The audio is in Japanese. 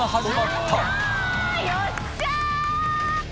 よっしゃ！